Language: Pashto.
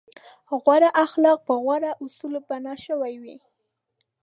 غوره اخلاق په غوره اصولو بنا شوي وي.